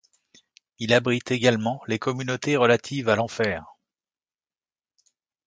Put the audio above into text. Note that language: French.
Il abrite également les communautés relatives à l'enfer.